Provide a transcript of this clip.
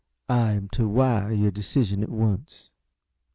I am to wire your decision at once."